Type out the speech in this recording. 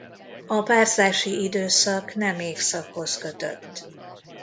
A párzási időszak nem évszakhoz kötött.